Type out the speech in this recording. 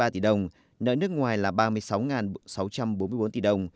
sáu một trăm tám mươi ba tỷ đồng nợ nước ngoài là ba mươi sáu sáu trăm bốn mươi bốn tỷ đồng